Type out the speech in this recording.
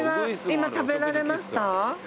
今食べられました？